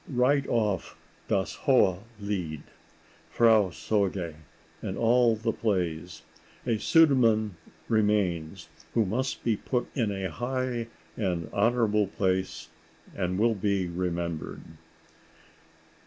Write off "Das hohe Lied," "Frau Sorge" and all the plays: a Sudermann remains who must be put in a high and honorable place, and will be remembered.